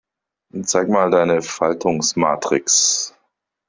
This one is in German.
Zeig mal deine Faltungsmatrix.